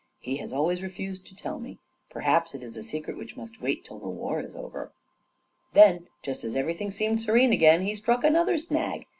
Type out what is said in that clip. He has always refused to tell me — perhaps it is a secret which must wait till the war is overt Then, just as everything seemed serene again, he struck another snag.